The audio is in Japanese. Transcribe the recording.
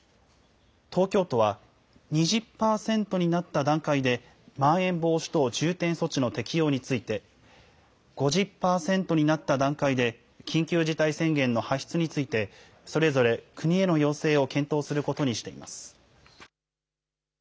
東京都は、２０％になった段階でまん延防止等重点措置の適用について、５０％になった段階で緊急事態宣言の発出について、それぞれ国への要請を検討することにしています。